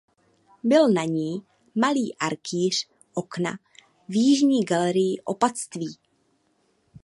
Byl na ní malý arkýř okna v jižní galerii opatství.